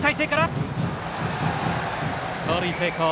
盗塁成功。